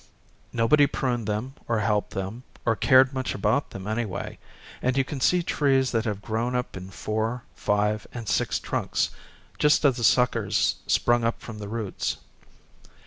Nobody pruned them, Hosted by Google A FLOWERY JANUARY. ig or helped them, or cared much about, them any way ; and you can see trees that have grown up in four, five, and six trunks, — just as the suckers sprung up from the roots.